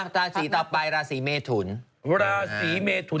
ตาสีต่อไปราศีเมฑุร์ราศีเมฑุร์